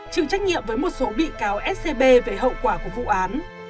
chịu trách nhiệm với một số bị cáo scb về hậu quả của vụ án